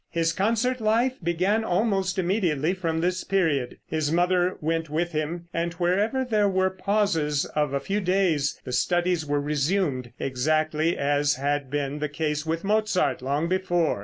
His concert life began almost immediately from this period. His mother went with him, and wherever there were pauses of a few days the studies were resumed, exactly as had been the case with Mozart, long before.